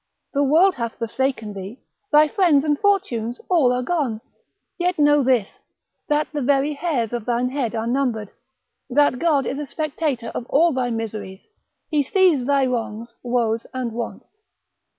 The world hath forsaken thee, thy friends and fortunes all are gone: yet know this, that the very hairs of thine head are numbered, that God is a spectator of all thy miseries, he sees thy wrongs, woes, and wants.